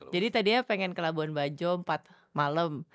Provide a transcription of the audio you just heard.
jadi tadinya pengen ke labuan bajo empat malam